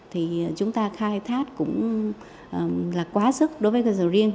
thì chúng ta khai thác cũng là quá sức đối với cây sầu riêng